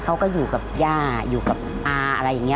เขาก็อยู่กับย่าอยู่กับอาอะไรอย่างนี้